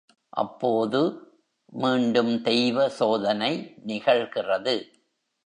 அப்போது, மீண்டும் தெய்வ சோதனை நிகழ்கிறது.